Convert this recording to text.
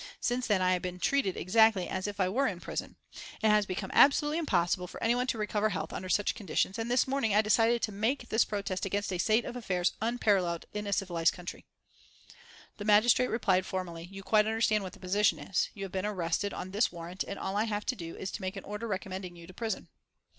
Since then I have been treated exactly as if I were in prison. It has become absolutely impossible for any one to recover health under such conditions, and this morning I decided to make this protest against a state of affairs unparalleled in a civilised country." [Illustration: RE ARREST OF MRS. PANKHURST AT WOKING May 26, 1913] The magistrate replied formally: "You quite understand what the position is. You have been arrested on this warrant and all I have to do is to make an order recommending you to prison."